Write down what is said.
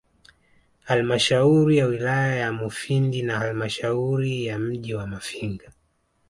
Halmashauri ya wilaya ya Mufindi na Halmashauri ya mji wa Mafinga